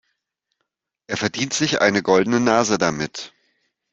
Er verdient sich eine goldene Nase damit.